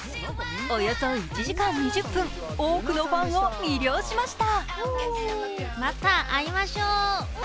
およそ１時間２０分、多くのファンを魅了しました。